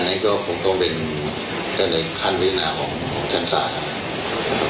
อันนั้นก็คงต้องเป็นขั้นละเอียดหน้าของชั้นศาสตร์